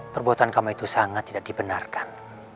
perbuatan kamu itu sangat tidak dibenarkan